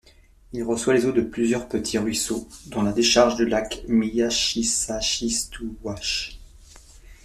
Il reçoit les eaux de plusieurs petits ruisseaux dont la décharge du lac Miyachisachistuwach.